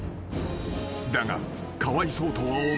［だがかわいそうとは思えない］